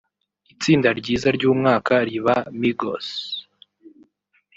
itsinda ryiza ry’umwaka riba Migos